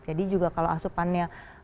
jadi juga kalau asupannya